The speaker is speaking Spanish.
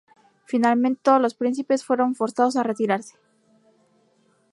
Finalmente todos los príncipes fueron forzados a retirarse.